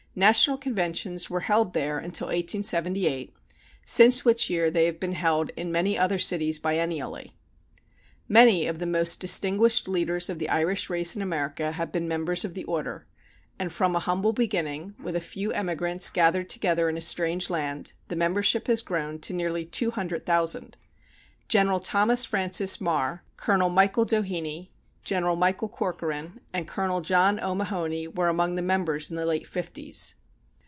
National conventions were held there until 1878, since which year they have been held in many other cities biennially. Many of the most distinguished leaders of the Irish race in America have been members of the Order, and from a humble beginning, with a few emigrants gathered together in a strange land, the membership has grown to nearly 200,000. General Thomas Francis Meagher, Colonel Michael Doheny, General Michael Corcoran, and Colonel John O'Mahony were among the members in the late '50's.